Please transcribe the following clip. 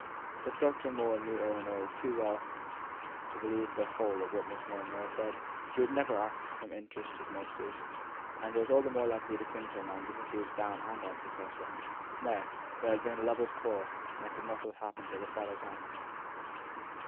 But Dr. Moore knew Ellinor too well to believe the whole of what Miss Monro said; she would never act from interested motives, and was all the more likely to cling to a man because he was down and unsuccessful. No! there had been a lovers' quarrel; and it could not have happened at a sadder time.